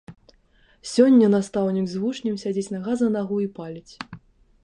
Сёння настаўнік з вучнем сядзіць нагу за нагу і паліць.